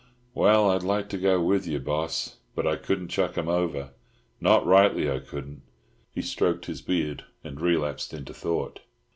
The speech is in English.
"Well, I'd like to go with you, boss, but I couldn't chuck 'em over—not rightly I couldn't." He stroked his beard and relapsed into thought.